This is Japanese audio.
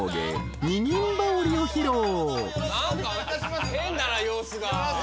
何か変だな様子が。